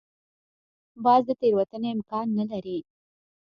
باز د تېروتنې امکان نه لري